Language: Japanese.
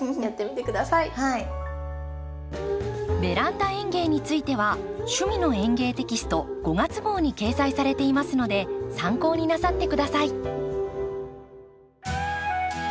「ベランダ園芸」については「趣味の園芸」テキスト５月号に掲載されていますので参考になさって下さい。